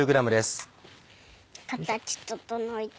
形整えて。